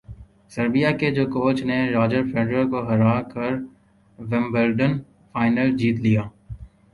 Serbia کے جوکووچ نے راجر فیڈرر کو ہرا کر ومبلڈن فائنل جیت لیا